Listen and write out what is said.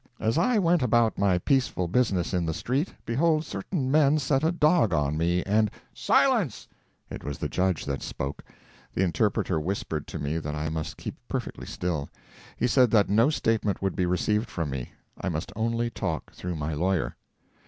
As I went about my peaceful business in the street, behold certain men set a dog on me, and "Silence!" It was the judge that spoke. The interpreter whispered to me that I must keep perfectly still. He said that no statement would be received from me I must only talk through my lawyer.